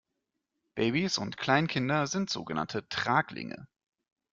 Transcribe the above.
Babys und Kleinkinder sind sogenannte Traglinge.